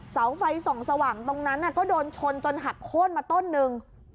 เสาไฟส่องสว่างตรงนั้นก็โดนชนจนหักโค้นมาต้นหนึ่ง